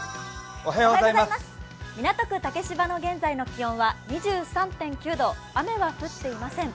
港区竹芝の現在の気温は２３．９度雨は降っていません。